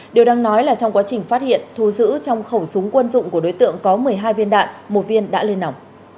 điều đang nói là trong quá trình phát hiện thu giữ trong khẩu súng quân dụng của đối tượng có một mươi hai viên đạn một viên đã lên nỏng